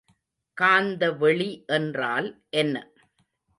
காந்தவெளி என்றால் என்ன?